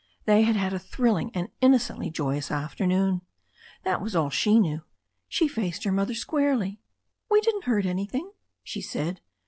They had had a thrilling and innocently joyous afternoon. That was all she knew. She faced her mother squarely. "We didn't hurt anything/' she said.